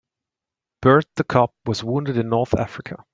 Bert the cop was wounded in North Africa.